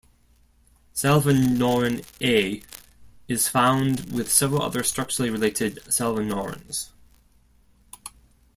Salvinorin A is found with several other structurally related salvinorins.